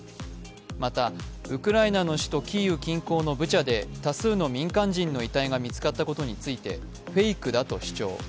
また、ウクライナの首都キーウ近郊のブチャで多数の民間人の遺体が見つかったことについてフェイクだと主張。